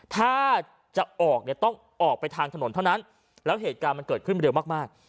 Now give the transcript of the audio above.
ถ้าจะออกเนี่ยต้องออกไปทางถนนเท่านั้นแล้วเหตุการณ์มันเกิดขึ้นเร็วมาก